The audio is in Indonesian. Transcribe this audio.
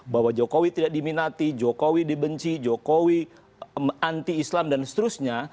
bahwa jokowi tidak diminati jokowi dibenci jokowi anti islam dan seterusnya